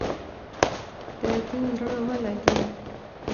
د ده زړه ولګېد.